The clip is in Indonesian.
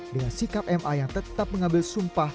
dengan sikap ma yang tetap mengambil sumpah